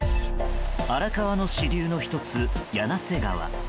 荒川の支流の１つ、柳瀬川。